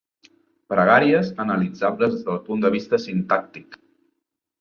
Pregàries analitzables des del punt de vista sintàctic.